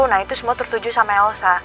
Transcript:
nah itu semua tertuju sama elsa